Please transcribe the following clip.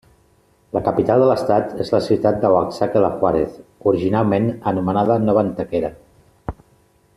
La capital de l'estat és la ciutat d'Oaxaca de Juárez, originalment anomenada Nova Antequera.